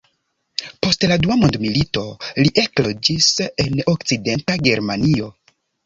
Post la dua mondmilito li ekloĝis en Okcidenta Germanio.